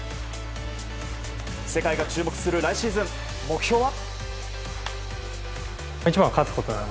世界が注目する来シーズン目標は？